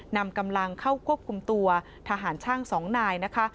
นำกำลังเข้าควบคุมตัวทหารช่าง๒นายนะคะ